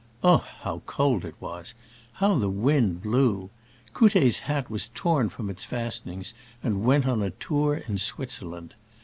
Ugh ! how cold it was ! How the wind blew ! Couttet's hat was torn from its fastenings and went on a tour in Switzerland.